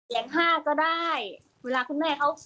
เหรียญ๕ก็ได้เวลาคุณแม่เค้า